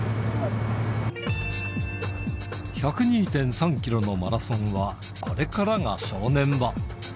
１０２．３キロのマラソンは、これからが正念場。